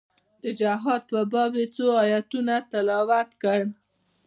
د جهاد په باب يې څو ايتونه تلاوت کړل.